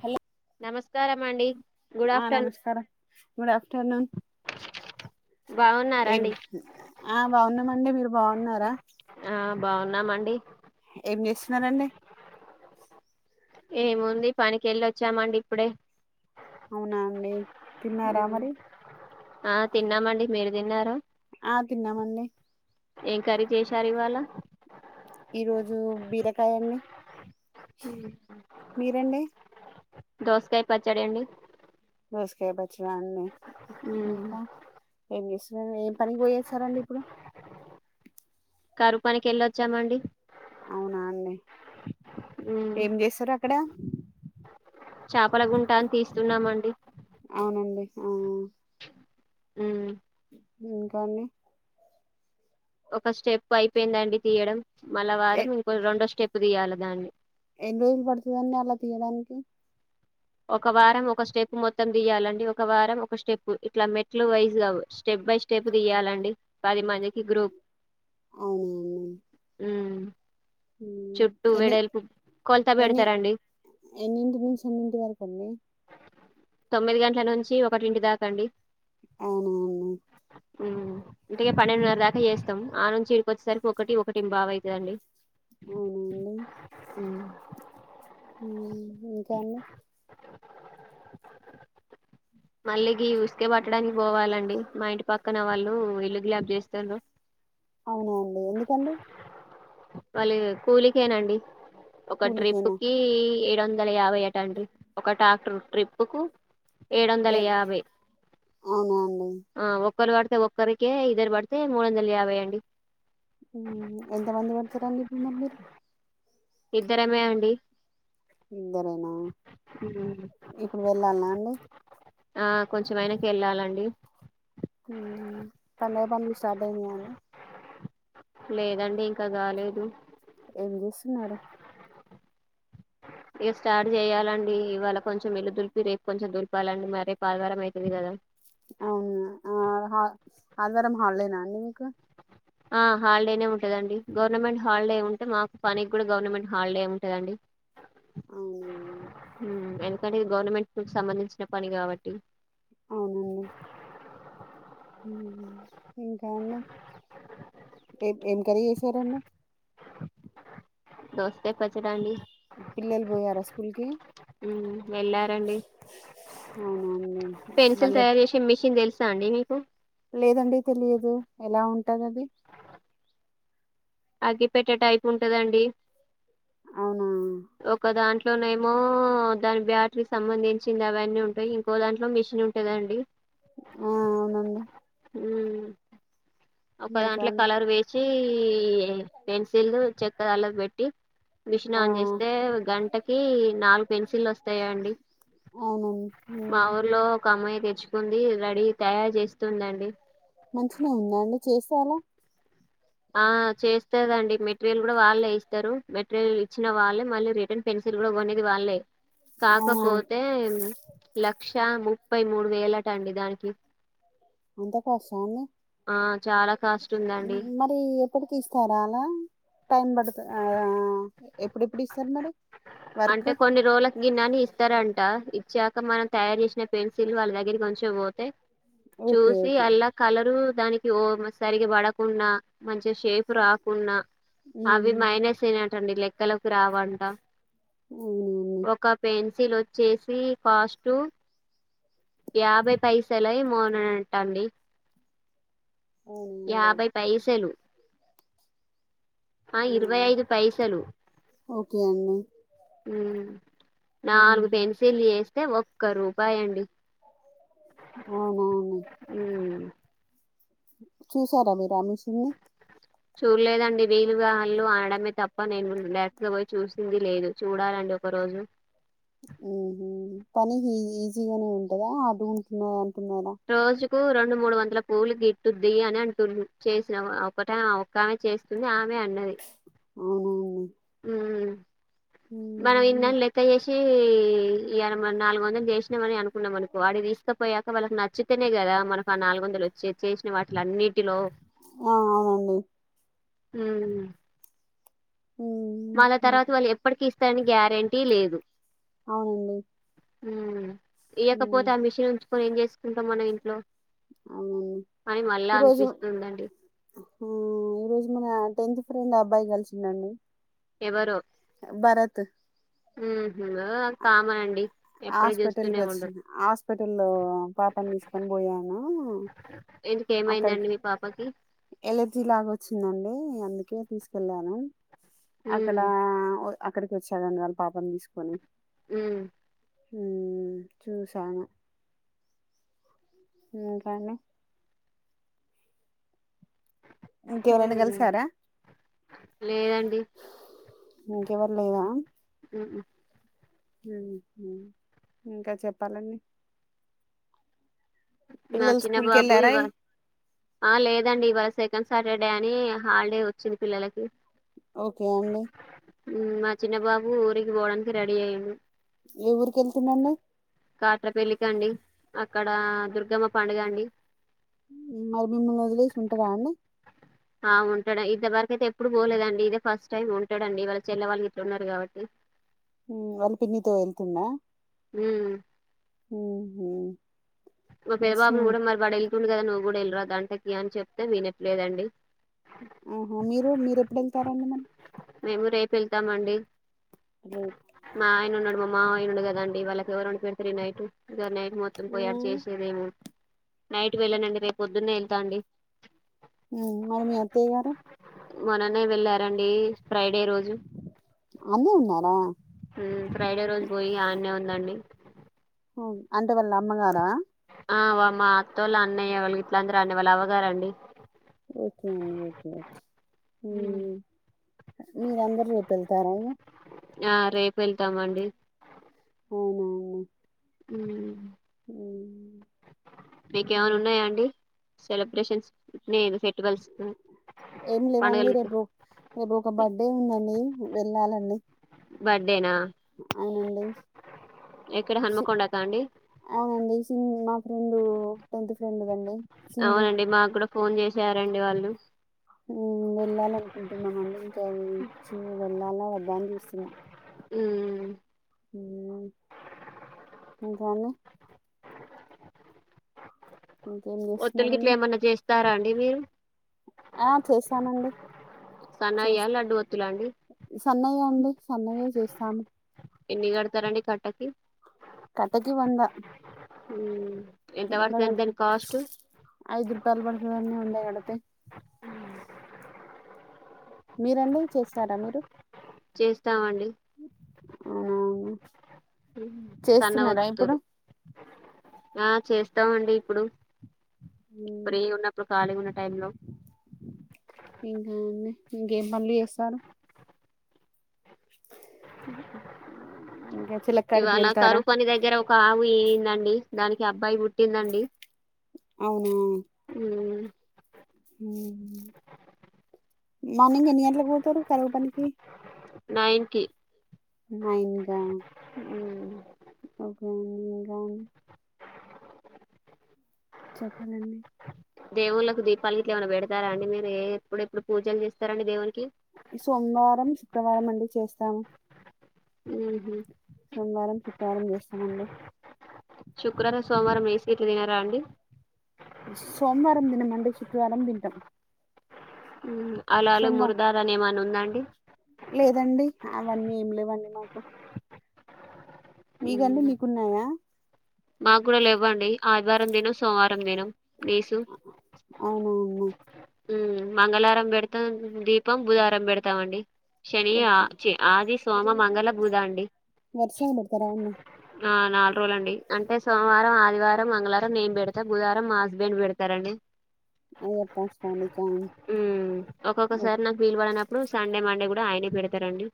Hello నమస్కారమండి ఆ నమస్కారం గుడ్ఆఫ్టర్నూన్ ఎ బాగున్నారండి ఆ బాగున్నామండి మీరు బాగున్నారా ఆ బాగున్నామండి ఏం చేస్తున్నారండి ఏముంది పనికి వెళ్ళోచ్చామండి ఇప్పుడే అవునా అండి తిన్నారా ఉమ్, మరి ఆ తిన్నాం అండి మీరు తిన్నారా ఆ తిన్నామ్ అండి ఏం కర్రీ చేశారు ఇవాళ ఈ రోజు బీరకాయ అండి ఉమ్, మీరండి దోసకాయ పచ్చడి అండి దోసకాయ పచ్చడ అండి ఉమ్, ఇంకా ఏం చేస్తునారు ఏం పనికి పోయాచ్చారాండి ఇప్పుడు కరువు పనికి వెళ్ళొచ్చామ్ అండి అవునా అండి ఏం చేస్తారు అక్కడ చాపల గుంట అని తీస్తున్నామ్ అండి అవునండి ఆ ఉ ఇంకాని ఒక స్టెప్ అయిపోయింది అండి తీయడం మళ్ల ఎ వారం ఇంకో రెండో స్టెప్ తీయాలి దాన్ని ఎన్ని రోజులు పడుతది అండి అలా తీయడానికి ఒక వారం ఒక స్టెప్ మొత్తం తీయాలండి ఒక వారం ఒక స్టెప్ ఇట్లా మెట్లు వైజ్గా స్టెప్ బై స్టెప్ తీయాలండి పది మందికి గ్రూప్ అవునవును చుట్టూ వేడల్పు కొలతా ఎన్ని పెడతారండి ఎన్నింటి నుంచి ఎన్నింటి వరకు అండి తొమ్మిది గంట్ల నుంచి ఒకటింటి దాకా అండి అవునా అండి మ్ అంటే ఇగ అవునండి పన్నెండున్నర దాకా చేస్తాం ఆ నుంచి ఇడికి వొచ్చేసరికి ఒకటి ఒకటి బావ్ అయిత్ దండి అవునండి ఊ ఇంకా అండి మళ్ళీ గి ఉసుకే పట్టడానికి పోవాలండి మా ఇంటి పక్కన వాళ్ళు ఇల్లు గీలాబ్ చేస్తాల్లు అవునా అండి ఎందుకండి వాల్లు కూలికే నండి ఒక ట్రిప్ కూలికేనా కి ఎయి డు వందల యాభై అట అండి ఒక ట్రాక్టర్ ట్రిప్పు కు ఏడు వందల ఏ యాభై అవునా అండి ఆ ఓక్ ఒక్కలు పడితే ఒక్కరికే ఇద్దరు పడితే మూడు వందల యాభై అండి ఉమ్ ఎంత మంది పడతారు అండి ఇప్పుడు మరి మీరు ఇద్దరమే అండి ఇద్దరేనా ఉమ్. ఇప్పుడు వెళ్ళాల్నా అండి ఆ కొంచెం అయినంక ఎల్లాలి అండి మ్ పండగ పనులు స్టార్ట్ అయినయ అండి లేదండి ఇంకా కాలేదు ఏం చేస్తున్నారు ఇగ స్టార్ట్ చెయాలి అండీ ఇవాళ కొంచెం ఇల్లు దులిపి రేపు కొంచెం దులపాలండి మరి రేపు ఆదివారం అయితది గదా అదివారం హాలిడే న అండీ మీకు ఆ హాలిడేనే ఉంటుదండి గవర్నమెంట్ హాలిడే ఉంటే మాకు పనికి గుడా గవర్నమెంట్ హాలిడే ఉంటదండి అవునా మ్ ఎందుకంటే ఇది గవర్నమెంట్ సంబంధించిన పని కాబట్టి అవున మ్ ఇంకా అండీ ఏ ఏం కర్రీ చేసారు అండీ దోసకాయ పచ్చడ అండీ పిల్లలు బోయారా స్కూల్ కి మ్ వెళ్ళారు అండీ అవునా అండి పెన్సిల్ మళ్ళీ తయారు చేశే మెషీన్ తెలుసు సా అండీ మీకు లేదు అండీ తెలియదు ఎలా ఉంటది అది అగ్గి పెట్టే టైపు ఉంటది అండీ ఔనా ట్లోనేమో దాని బ్యాట్రీక్ సంబంధించింది అవన్నీ ఉంటాయి ఇంకో దాంట్లో మిషన్ ఉంటదండి ఆ ఔనండి మ్ ఇంకా ఒకదాంట్ల కలర్ వేశీ పెన్సీలు చెక్కదన్లక్ పెట్టి మిషన్ ఆ ఆన్ జేస్తే గంటకి నాలుగు పెన్సిల్లు ఓస్తాయాండి అవునండి మా ఉమ్. ఊర్లో ఒక అమ్మాయి తేచ్చుకుంది రెడీ తయార్ చేస్తుందండి చేసాలా ఆ చేస్తదండి మెటీరియల్ గూడా వాళ్ళే ఇస్తారు మెటీరియల్ ఇచ్చిన వాళ్ళే మళ్ళీ రిటర్న్ పెన్ సీల్ గూడ కోనేది వాళ్ళే అవునా కాకపోతే లక్ష ము ప్పై మూడు వేలట అండి దానికి అంత కస్ట అండి ఆ చాలా కాస్ట్ ఉందండి మ్ మరీ ఎ ఎప్పటికిస్తారా అలా టైం పడుత ఆ ఆ ఎప్పుడెప్పుడు ఇస్తారు మరి వర్క్ అంటే కొన్ని రోజులక్ గిన్నని ఇస్ స్తారంట ఇచ్చాక మనం తయారు జిషిన పెన్సిల్ వాళ్ళ దగ్గరికి కొంచ పోతే ఓకే చూసి ఓకే అల్లా కలరు దానికి ఓ సరిగా పడకున్న మంచిగ షేప్ రాకుంనా అవి ఉమ్, మైనేసేనన్ టండి లెక్కలొకీ రావంటా అవునండి ఒక పెన్ సీల్ ఓచ్చేసి కస్ట్ యాభై పైసల ఏమో అన్ నన్ నంట అండి అవునండి యాభై పైసలు ఆ ఇరవై ఉమ్, ఐదు పైసలు ఓకే అండి మ్ నాలుగు ఉమ్, పెన్సిళ్ళు చేస్తే ఒక్క రూపాయండి అవునవును చూసారా మీర్ ఆ మిషన్నీ చూడలేదండి వీలువాళ్ళు ఆనడమే తప్ప నేను డైరెక్ట్గా పోయి చూసింది లేదు చూడాల డి ఒకరోజు మ్ హు పని హి ఇజీగానే ఉంటదా హార్డ్ ఉంటున్నది అంటున్నారా కు రెండు మూడు వంతులకులి గిట్టుద్ది అని అంటున్లు చేసిన ఆ ఒక్కట ఆ ఒక్కామె చేస్తుంది ఆ మె అన్నది అవునవునా మ్ మనం ఇన్నని లెక్క జేసి సి ఈయల మనం నాలుగు వందలు జేషినం అనే అనుకున్నాం అనుకో ఆడికి తిస్కపోయాక వాళ్ళకి నచ్ చ్చితేనే గదా మనక్ ఆ నాలుగు వందలు ఓచ్చే చేషిన వాటిలన్నిటిలో ఆ అవునండి మ్ ఉమ్, మళ్ళా తర్వాత వాళ్ ఎప్పటికిస్తారని గ్యారెంటీ లేదు ఔనండి మ్ ఇయ్యకపోతే ఆ మిషిన్ ఉంచుకొని ఏం జేసుకుంటాం మనం ఇంట్లో అవునండి అని మళ్ళా ఈరోజు అనిపిస్తుందండి ఆ ఈరోజు మనం ఆ టెన్త్ ఫ్రెండ్ అబ్బాయి కలిసిండండి భరత్ మ్ హు ఓ అద్ కామన్ అండి ఎప్పుడు హాస్పిటల్కి చూస్తూనే ఉండరు ఓచ్చిన హాస్పిటలో పాపని తిస్కొని పోయానా ఎందుకు ఏమైందండి మీ పాపకి ఎలర్జీ లాగొచ్చిందండి. అందుకే తీస్కెళ్ళాను ఉమ్ అక్కడా ఓ అక్కడ్కి ఓచ్చారండి వాళ్ పాపన్ తీస్కొని హ్మ్ హు మ్ చూసాను ఇంకానే ఇంకెవరైనా ఉమ్ కల్సారా లేదండి ఇంకేవల్ లేరా ఉహు మ్ హ్ ఇంకా చెప్పాలండి. నా పిల్లలు చిన్న స్కూల్ కి బాబు వెళ్ళారా ఇవా ఆ లేదండి ఇవాళ సెకండ్ సాటర్డే అని హాల్డే ఒచ్చింది పిల్లలకి ఓకే అండి మ్ మా చిన్న బాబు ఊరిక్ పోవడానిక్ రెడీ అయిండు. ఏ ఊరికి వెళ్తుండండి కాత్ర పెల్లికండి అక్కడ దుర్గమ్మ పండుగ అండి. మరి మిమ్మల్ని వదిలేసి ఉంటారా అండి ఆ ఉంటడ ఇంత వరకైతే ఎప్పుడు పోలేదండి ఇదే ఫస్ట్ టైమ్ ఉంటడండి వాళ్ళ చెల్లె వాళ్ గిట్ల ఉన్నర్ కాబట్టి మ్ వాళ్ పిన్నితో వెళ్తుందా? హ్మ్ మ్ హ్ మా పెదబాబున్ గుడా మర్ వాడ్ ఎళ్తుండు గదా నువ్వు కూడా ఎళ్లద్దా అంటే కీయన్ చెప్తే వినెట్లేదండి. ఆహా మీరు మీరెప్పుడ్ ఎళ్తారండి మరి మేము రేపు వెళ్తామండి రేపు. మా ఆయన ఉన్నడ్ మమ్ మామయ్య ఉండు కదండి వాళ్ళక్ ఎవర్ వండు పెడ్తరు ఈ నైటు ఇగ నైట్ మొత్తం ఆ, పోయి ఆడ్ చేసేదేము నైట్ వెళ్ళనండి రేప్ పొద్దున్నే ఎళ్తా అండి. మ్ మరి మీ అత్తయ్ గారు మొననే వెళ్ళారండి. ఫ్రైడే అన్నే ఉన్నారా? మ్ ఫ్రైడే రోజు పోయి ఆ ఉందండి. అంటే వాల్ అమ్మగారా? ఆ వా మా అత్తోళ్ళ అన్నయ్య వాళ్ళు ఇట్లాందర్ అన్ని వాళ్ళు అవ్వగారండి. ఓకే అండి ఓకే ఓకే మ్ మీరందర్ రేప్ ఎళ్తారా ఇగ ఆ రేపెళ్తామండి. అవునా అండి. మ్ ఉమ్, మీకేమైనా ఉమ్. ఉన్నయా అండి. సెలబ్రేషన్స్ మీర్ [unintelligible] ఏం లేవండి ఇట్లా రేపు రేప్ ఒక బగ్ ఏందండి వెళ్ళాలండి. బర్డేనా? అవునండి ఎక్కడ సి హన్మకొండక అండి అవుఅండి సిం మ ఫ్రెండు టెన్త్ ఫ్రెండ్ దండి. సింధు అవునండి మాక్కూడా ఫోన్ చేసారండి వాళ్ళు మ్ వెళ్ళాల్ అన్కుంటున్నామండి ఇంకా చు వెళ్ళాలా వద్దా అన్ చూస్తున్నా. హ్మ్ మ్ ఇంకా అండి ఇంకేం ఒత్తుల్ గిట్లా చేస్తున్నారండి ఏమన్న చేస్తారా అండి మీరు? ఆ చేస్తానండి సన్నయ్యా చేస్ లడ్డు ఒత్తులా అండి సన్నయే అండి. సన్నగే చేస్తాం. ఎన్ని కడ్తరండి కట్టకి కట్టకి వంద. హ్ వంద కడ్తం ఐదు రూపాయిల్ పడ్తదండి వంద కడ్తే ఊమ్ మీరండి చేస్తారా మీరు చేస్తామండి అవునా ఊమ్ చేస్తున్నారా ఇప్పుడు సన్నఒత్తూరు ఆ చేస్తామండి ఇప్పుడు ఉమ్, ఫ్రీ ఉన్నప్పుడు ఖాగున్న టైంలో ఇంకా అండి ఇంకేం పనులు చేస్తారు? ఉమ్, ఇంకా చిలక్కాడికి ఇవాళ వెళ్తారా కరువుపని దగ్గర ఒక ఆవు ఈనిందండి. దానికి అబ్బాయి పుట్టిందండి అవును ఉమ్ ఉమ్ మార్నింగ్ ఎన్ని గంటలకు పోతారు కరవు పనికి నైన్ కి నైన్ కా ఒకే అండీ ఇంకా చెప్పాలండి దేవుల్లకు దీపాలు గిట్లా ఏమైన్నా పెడతారా అండి మీరు ఏ ఎప్పుడు ఎప్పుడు పూజలు చేస్తారండి దేవుడీకి సోమవారం శుక్రవారం అండి చేస్తాము ఉమ్ హు సోమవారం శుక్రవారం చేస్తామండి శుక్రారం సోమవారం మేసి ఇట్లు తినారా అండి సోమవారం తినమండి శుక్రవారం తింటం అలాలు మురుదార్ అని ఏమన్నా ఉందాండి లేదండి అవన్నీ ఏం లేవండి మాకు మీగన్నీ ఉమ్ మీకున్నాయా మాకు కూడా లేవండి ఆదివారం తినం సోమవారం తినం నీసు అవున అన్ని ఉమ్ మంగళారం పెడతాం దీపం బుధవారం పెడతామండి శని ఆ ఓకే చి ఆది సోమ మంగళ బూదా అండి వర్షాలు పడతారా అండి ఆ నాలుగు రోజులండి అంటే సోమవారం ఆదివారం మంగళారం నేన్ పెడతా బుధవారం మా హస్బెండ్ పెడతారండి అయ్యప్ప స్వామికా ఉమ్ ఒక్కొక్కసారి ఓకే నాకు వీలు పడనప్పుడు సండే మండే కూడా ఆయనే పెడతారండి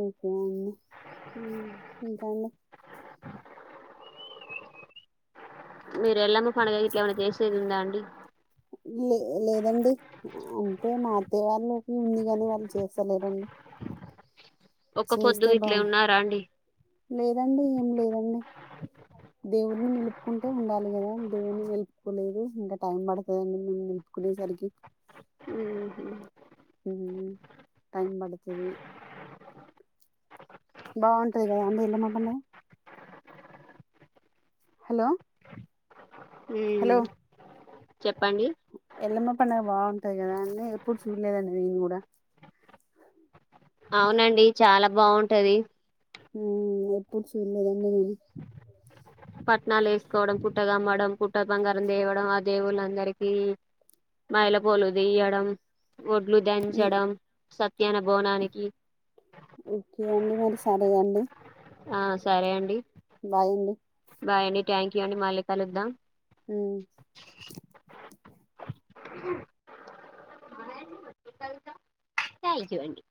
ఓకే అండి ఇంకా అండి మీరెల్లమ్మ పండగ ఇట్ల ఏమన్న చేసేదుందా అండి లే లేదండి అంటే మా అత్తయవాళ్ళు ఉంది కానీ వాళ్ళు చేస్తలేరండి ఒక్క పొద్దు చేస్తే ఇట్లే బాగుం ఉన్నారా అండి లేదండి ఏం లేదండి దేవుడిని నిలుప్ ఉంటే ఉండాలి కదా దేవున్ని నిలుపుకోలేదు ఇంకా టైం పడుతదండి మేము నిలుపుకునేసరికి ఉమ్ హు ఉమ్ టైం పడుతది బాగుంటది కదా అండి ఎల్లమ్మ పండగ హలో హలో ఉమ్ ఎల్లమ్మ పండగ బాగుం ఉంటది కదా అండీ ఎప్పుడు చూడలేదండి నేను కూడా అవునండి చాలా బాగుంటది ఉమ్ ఎప్పుడు చూడలేదండి నేను పట్నాలేసుకోవడం పుట్ట కమ్మడం పు పుట్ట బంగారం తేవడం ఆ దేవుళ్ళందరికీ మైల పోలు తీయ్యడం ఒడ్లు ఉమ్, దంచడం సత్యాన భోనానికి ఓకే అండి మరి సరే అండి ఆ సరే అండి బాయ్ అండి బాయ్ అండి ట్యాంకూ అండీ మల్లీకలుద్దాం ఉమ్ థ్యాంకు అండీ